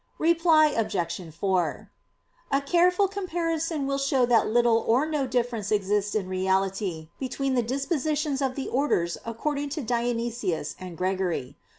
Reply Obj. 4: A careful comparison will show that little or no difference exists in reality between the dispositions of the orders according to Dionysius and Gregory.